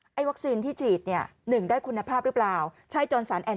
วัคซีนที่ฉีดเนี่ยหนึ่งได้คุณภาพหรือเปล่าใช่จนสารแอน